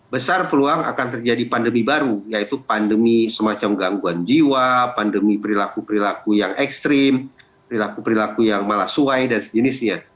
besar peluang akan terjadi pandemi baru yaitu pandemi semacam gangguan jiwa pandemi perilaku perilaku yang ekstrim perilaku perilaku yang malah suai dan sejenisnya